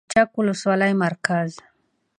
د چک ولسوالۍ مرکز